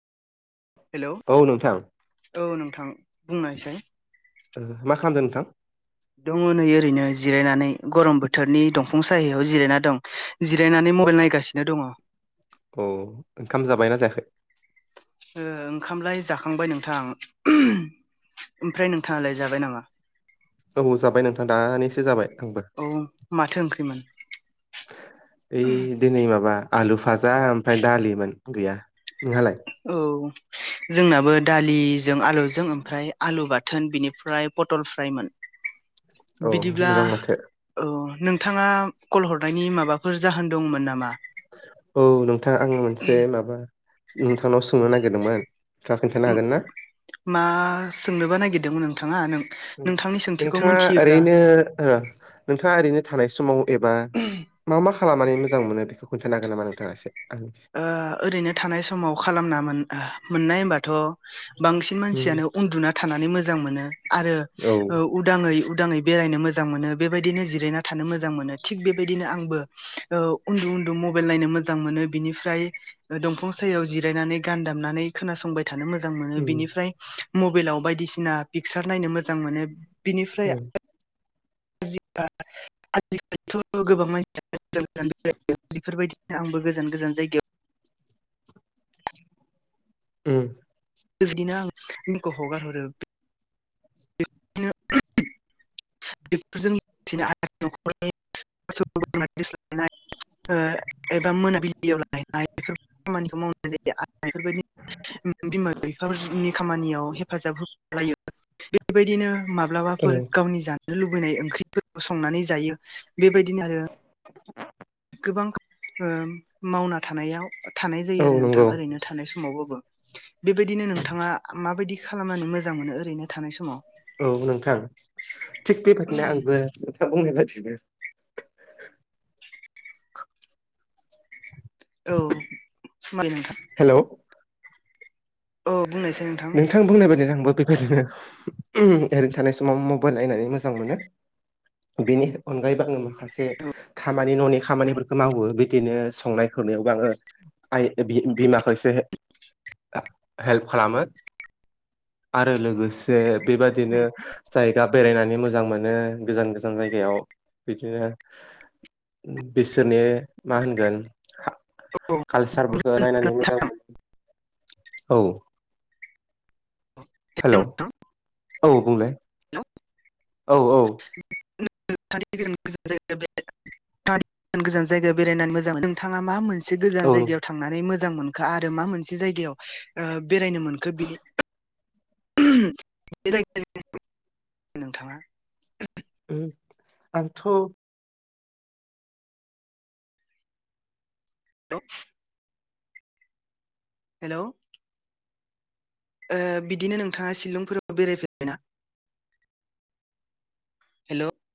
हेल' औ नोंथां ओ मा खालामदों नोंथां दङ नै ओरैनो जिरायनानै गरम बोथोरनि दंफां साययाव जिरायनानै दं जिरायनानै नै मबाइल नायगासिनो दङ अ ओंखाम जाबायना जायाखै? ओ ओंखामलाय जाखांबाय नोंथां ओमफ्राय नोंथाङालाय जाबाय नामा? औ जाबाय नोंथां दानिसो जाबाय आंबो औ माथो ओंख्रिमोन ओइ दिनै माबा आलु भाजा ओमफ्राय दालिमोन गैया नोंहालाय औ जोंनाबो दालिजों आलुजों ओमफ्राय आलु बा बाथोन बिनिफ्राय पटल फ्राइमोन औ बिदिब्ला मोजां माथो नोंथाङा कल हरनायनि माबाफोर जाहोन दंमोन नामा? औ नोंथां आङ मोनसे माबा नोंथांनाव सोंनो नागिरदोंमोन नोंथाङा खोन्थानो हागोन ना मा सोंनोबा नागिरदोंमोन नोंथाङा नों उम नोंथांनि सोंथिखौ नोंथाङा मोनथियोब्ला ओरैनो र नोंथाङा ओरैनो थानाय समाव एबा मा मा खालामनानै मोजां मोनो बेखौ खोन्थानो हागोन नामा नोंथाङा एसे ओ ओरैनो थानाय समाव खालामना मोन ओ मोननाय होमबाथ' बांसिन उम मानसियानो उन्दुना थानानै मोजां मोनो आरो औ उदाङै उदाङै बेरायनो मोजां मोनो बेबायदिनो जिरायना थानो मोजां मोनो थिग बे बादिनो आंबो ओ उन्दु उन्दु मबाइल नायनो मोजां मोनो। बिनिफ्राय दंफां सायाव जिरायनानै गान दामनानै खोनासंबाय थानो मोजां मोनो उम बिनिफ्राय मबाइलाव बायदिसिना पिकचार नायनो मोजां मोनो। बिनिफ्राय औ [unintelligible] आजिखालिथ' गोबां मानसिया बेफोरबायदिनो आंबो गोजान गोजान जायगायाव उम नो आं दिनखौ हगार हरो बेनो [unintelligible] बेफोरजों [unintelligible] एबा मोनाबिलियाव लायनाय बेफोर खामानिखौ मावनाय जायो आरो बेफोरबायदि बिमा बिफाफोरनि खामानियाव हेफाजाब हो बेबायदिनो औ माब्लाबाफोर गावनि जानाय लुबैनाय ओंख्रिफोरखौ संनानै जायो बेबायदिनो आरो गोबां मावना थानायाव थानाय औ जायो आरो नंगौ नोंथां ओरैनो थानाय समावबाबो बेबायदिनो नोंथाङा माबायदि खालामनानै मोजां मोनो ओरैनो थानाय समाव? औ नोंथां थिग बेबायादिनो आंबो नोंथाङ बुंनाय बायदिनो औ समै नोंथां हेलौ औ बुंनायसै नोंथां बुंनाय बायदिनो आंबो बेबायदिनो उम ओरैनो थानाय समाव मबाइल नायनानै मोजां मोनो। बेनि अनगायैबो आङो माखासे खामानि न'नि खामानिफोरखौ मावो बिदिनो संनाय नायावबो आङो आइ बिमाखौ एसे हेल्प खालामो आरो लोगोसे बेबादिनो जायगा बेरायनानै मोजां मोनो गोजान गोजान जायगायाव बिदिनो बिसोरनि मा होनगोन कालसारफोरखौ नायनानै मोजां नोंथां मोनो। औ। हेल' औ बुंलाय। औ औ [unintelligible] गोजान गोजान जायगायाव बेरायनानै मोजां नोंथाङा मा मोनसे गोजान जायगायाव थांनानै मोजां मोजां मोनखो आरो मा मोनसे जायगायाव बेरायनो मोनखो बिनि जायगायाव नोंथाङा। उ आंथ' दा हेलौ बिदिनो नोंथाङा शिलंफोराव बेरायफेरबायना? हेलौ